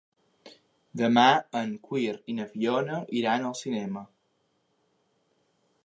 Demà en Quer i na Fiona iran al cinema.